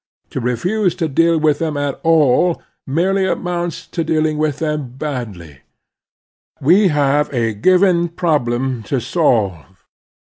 To refuse to deal with them at all ^ The Strenuous Life 9 merely amotints to dealing with them badly. We have a given problem to solve.